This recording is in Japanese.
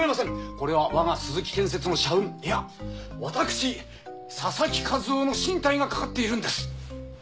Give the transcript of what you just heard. これは我が鈴木建設の社運いや私佐々木和男の進退がかかっているんです！